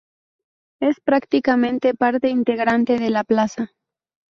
Es prácticamente parte integrante de la plaza.